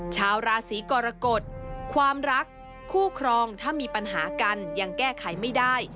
ชาวราศีกรกฎความรักคู่ครองถ้ามีปัญหากันยังแก้ไขไม่ได้